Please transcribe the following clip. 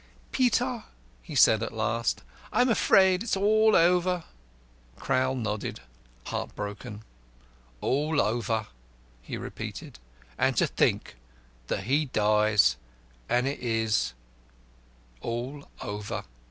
"Peter," he said at last, "I'm afraid it's all over." Crowl nodded, heart broken. "All over!" he repeated, "and to think that he dies and it is all over!"